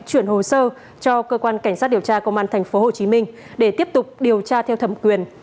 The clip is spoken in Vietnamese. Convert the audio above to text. chuyển hồ sơ cho cơ quan cảnh sát điều tra công an tp hcm để tiếp tục điều tra theo thẩm quyền